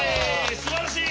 すばらしい！